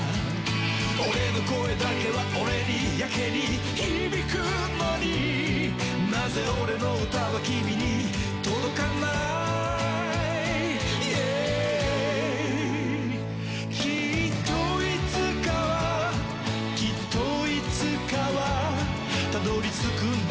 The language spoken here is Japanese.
俺の声だけは俺にやけに響くのに何故俺の歌は君に届かないきっといつかはきっといつかはたどり着くんだ